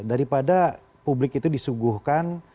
daripada publik itu disuguhkan